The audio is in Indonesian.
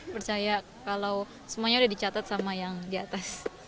percaya kalau semuanya udah dicatat sama yang di atas